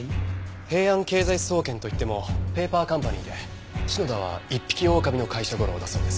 平安経済総研といってもペーパーカンパニーで篠田は一匹狼の会社ゴロだそうです。